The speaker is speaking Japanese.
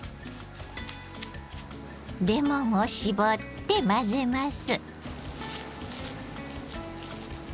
レモンを搾って混ぜます。